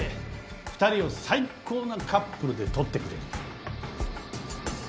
二人を最高なカップルで撮ってくれる。